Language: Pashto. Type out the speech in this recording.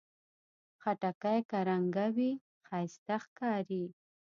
خټکی که رنګه وي، ښایسته ښکاري.